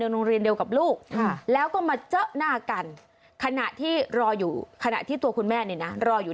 โรงเรียนเดียวกับลูกแล้วก็มาเจอหน้ากันขณะที่รออยู่ขณะที่ตัวคุณแม่เนี่ยนะรออยู่